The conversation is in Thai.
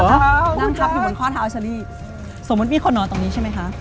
หนูก็นั่งทับอยู่บนข้อเท้าสวมมนต์มีคนนอนตรงนี้ใช่ไหมคะ